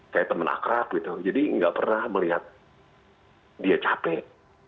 kayak teman akrab gitu jadi nggak pernah melihat dia capek